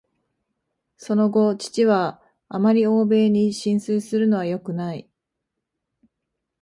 その後、父は「あまり欧米に心酔するのはよくない」